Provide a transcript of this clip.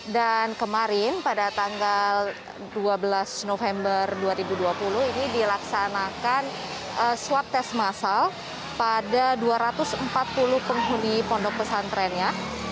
dan kemarin pada tanggal dua belas november dua ribu dua puluh ini dilaksanakan swab tes masal pada dua ratus empat puluh penghuni pondok pesantrennya